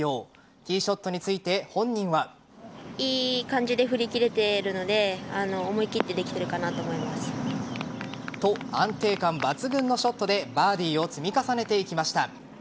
ティーショットについて本人は。と、安定感抜群のショットでバーディを積み重ねていきました。